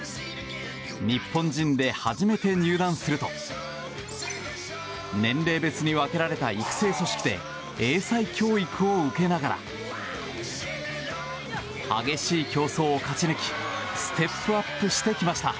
日本人で初めて入団すると年齢別に分けられた育成組織で英才教育を受けながら激しい競争を勝ち抜きステップアップしてきました。